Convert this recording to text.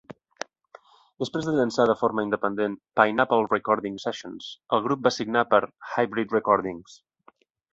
Després de llançar de forma independent "Pineapple Recording Sessions", el grup va signar per Hybrid Recordings.